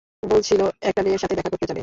বলছিল, একটা মেয়ের সাথে দেখা করতে যাবে।